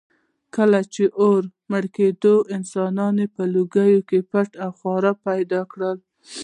کله چې اور مړ کېده، انسانانو په لوګي کې پاتې خواړه پیدا کول.